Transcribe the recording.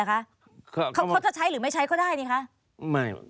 เขาจะใช้หรือไม่ใช้ก็ได้นี่คะ